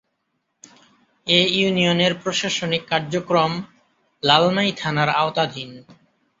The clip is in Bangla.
এ ইউনিয়নের প্রশাসনিক কার্যক্রম লালমাই থানার আওতাধীন।